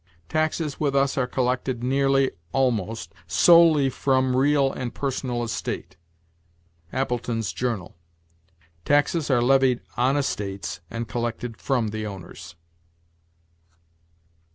"Taxes with us are collected nearly [almost] solely from real and personal estate." "Appletons' Journal." Taxes are levied on estates and collected from the owners.